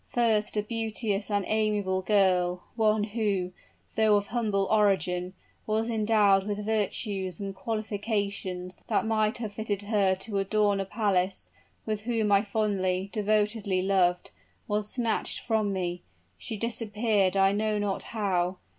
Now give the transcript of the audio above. "First, a beauteous and amiable girl one who, though of humble origin, was endowed with virtues and qualifications that might have fitted her to adorn a palace, and whom I fondly, devotedly loved was snatched from me. She disappeared I know not how!